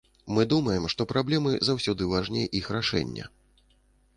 Мы думаем, што праблемы заўсёды важней іх рашэння.